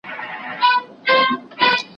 إِذْ قَالَ يُوسُفُ لِأَبِيهِ يَا أَبَتِ.